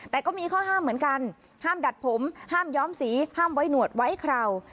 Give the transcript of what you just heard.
แต่ก็มีข้อห้ามเหมือนกันห้ามดัดผมห้ามย้อมสีห้ามไว้หนวดไว้คราว